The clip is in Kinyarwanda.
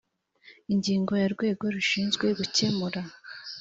Ingingo ya Urwego rushinzwe gucyemura